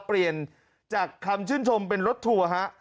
เปลี่ยนจากคำชื่นชมเป็นรถทัวร์ฮะ